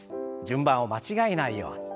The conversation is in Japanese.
順番を間違えないように。